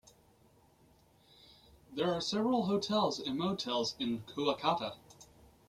There are several hotels and motels in Kuakata.